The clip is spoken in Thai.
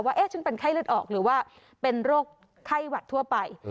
ฉันเป็นไข้เลือดออกหรือว่าเป็นโรคไข้หวัดทั่วไป